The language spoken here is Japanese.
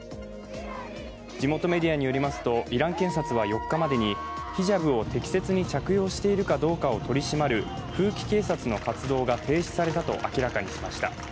地元メディアによりますとイラン検察は４日までにヒジャブを適切に着用しているかどうかを取り締まる風紀警察の活動が停止されたと明らかにしました。